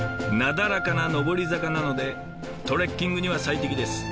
なだらかな上り坂なのでトレッキングには最適です。